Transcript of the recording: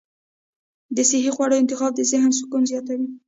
د صحي خواړو انتخاب د ذهن سکون زیاتوي.